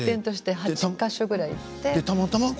８か所ぐらい行って。